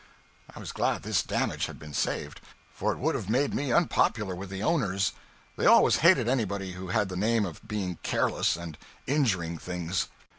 I was glad this damage had been saved, for it would have made me unpopular with the owners. They always hated anybody who had the name of being careless, and injuring things.